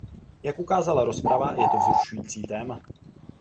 Jak ukázala rozprava, je to vzrušující téma.